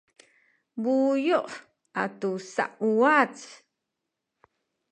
buyu’ atu sauwac